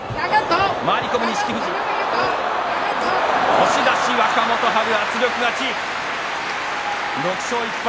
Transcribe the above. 押し出し若元春、圧力勝ち６勝１敗。